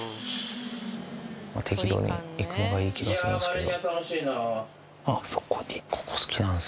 まぁ適度にいくのがいい気がするんですけど。